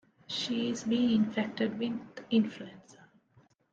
She is being infected with influenza.